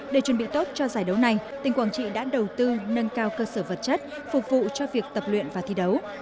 để chuẩn bị tốt cho giải đấu này tỉnh quảng trị đã đầu tư nâng cao cơ sở vật chất phục vụ cho việc tập luyện và thi đấu